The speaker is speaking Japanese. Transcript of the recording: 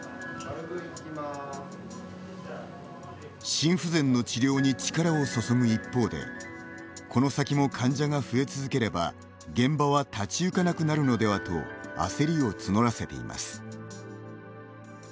心不全の治療に力を注ぐ一方でこの先も患者が増え続ければ現場は立ち行かなくなるのではと焦りを募らせています。